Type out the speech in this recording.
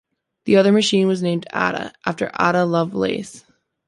The other machine was named Ada, after Ada Lovelace.